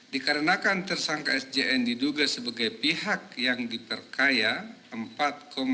dikarenakan tersangka sjn diduga sebagai pihak yang diperkaya rp empat lima puluh delapan triliun dalam kasus korupsi ini